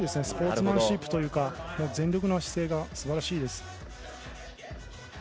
スポーツマンシップというか全力の姿勢がすばらしいです。